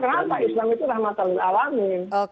kenapa islam itu rahmatan alamin